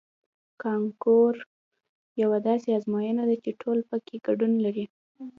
کانکور یوه داسې ازموینه ده چې ټول پکې ګډون لري